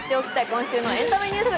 今週のエンタメニュース